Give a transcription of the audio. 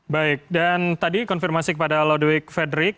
baik dan tadi konfirmasi kepada lodewijk frederik